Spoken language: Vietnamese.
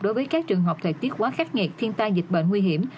đối với các trường hợp thời tiết quá khắc nghiệt thiên tai dịch bệnh nguy hiểm